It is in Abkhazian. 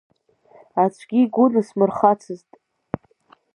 Аӡәгьы игәы нысмырхацызт…